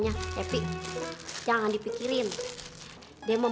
akan lebih kecam lo